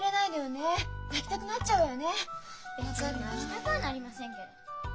別に泣きたくはなりませんけど。